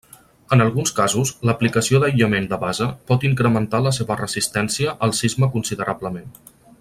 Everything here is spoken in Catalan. En alguns casos, l'aplicació d'aïllament de base pot incrementar la seva resistència al sisme considerablement.